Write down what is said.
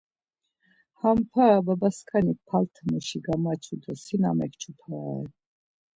Ham para babaskanik paltomuşi gamaçu do si na mekçu para ren.